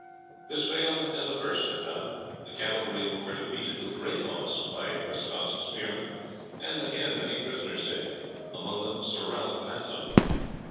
This failed as the first had done; the cavalry were defeated with great loss by the spearmen, and many prisoners taken among them Sir Ralph Manton.